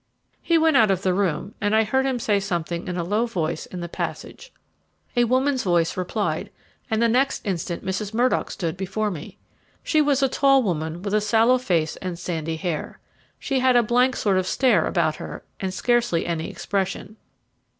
He went out of the room, and I heard him say something in a low voice in the passage a woman's voice replied, and the next instant Mrs. Murdock stood before me. She was a tall woman with a sallow face and sandy hair; she had a blank sort of stare about her, and scarcely any expression.